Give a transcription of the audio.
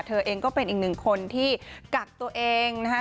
เธอเองก็เป็นอีกหนึ่งคนที่กักตัวเองนะฮะ